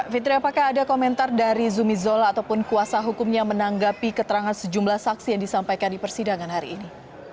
fitri apakah ada komentar dari zumi zola ataupun kuasa hukumnya menanggapi keterangan sejumlah saksi yang disampaikan di persidangan hari ini